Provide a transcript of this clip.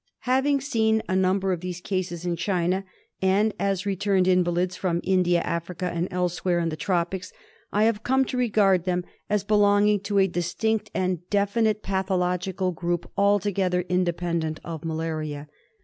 Having seen a number of these cases in China, and as returned invalids from India, Africa, and elsewhere in the tropics, I had come to regard them as belonging to a KALA AZAR. 135 distinct and definite pathological group altogether inde pendent of malaria.